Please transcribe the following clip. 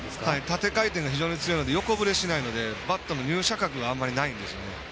縦回転が非常に強いので横ぶれしないのでバットの入射角があんまりないんですよね。